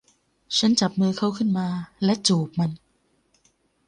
ฉันจับมือเขาขึ้นมาและจูบมัน